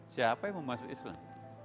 siapa yang mau masuk islam